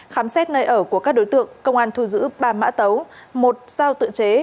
khám xét nơi ở của các đối tượng công an thu giữ ba mã tấu một dao tự chế